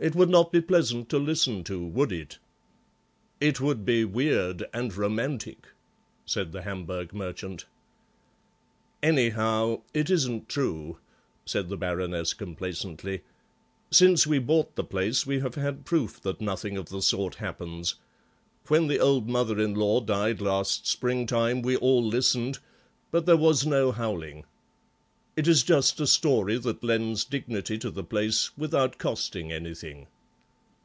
It would not be pleasant to listen to, would it?" "It would be weird and romantic," said the Hamburg merchant. "Anyhow, it isn't true," said the Baroness complacently; "since we bought the place we have had proof that nothing of the sort happens. When the old mother in law died last springtime we all listened, but there was no howling. It is just a story that lends dignity to the place without costing anything."